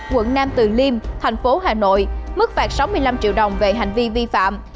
quận nam từ liêm thành phố hà nội mức phạt sáu mươi năm triệu đồng về hành vi vi phạm